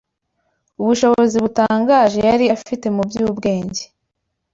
ubushobozi butangaje yari afite mu by’ubwenge